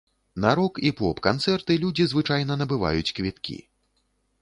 На рок- і поп-канцэрты людзі звычайна набываюць квіткі.